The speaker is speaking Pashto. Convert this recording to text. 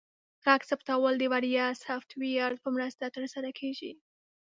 غږ ثبتول د وړیا سافټویر په مرسته ترسره کیږي.